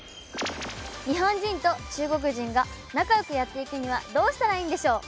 日本人と中国人が仲良くやっていくにはどうしたらいいんでしょう？